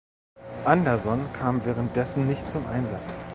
Anderson kam währenddessen nicht zum Einsatz.